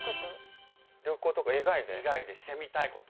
以外でしてみたいこと。